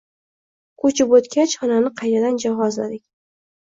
Ko’chib o'tgach, xonani qaytadan jihozladik.